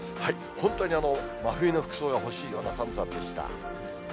本当に真冬の服装が欲しいような寒さでした。